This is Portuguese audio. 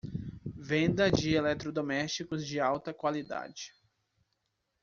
Venda de eletrodomésticos de alta qualidade